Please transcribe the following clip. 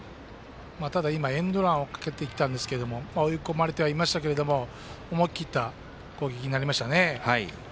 今、エンドランをかけていったんですが追い込まれてはいましたが思い切った攻撃になりましたね。